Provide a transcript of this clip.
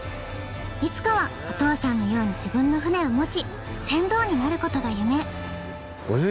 いつかはお父さんのように自分の船を持ち船頭になることが夢。